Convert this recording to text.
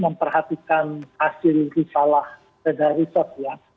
memperhatikan hasil risalah federa riset ya